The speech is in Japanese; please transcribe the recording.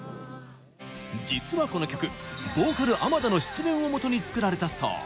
実はこの曲ボーカル・アマダの失恋をもとに作られたそう。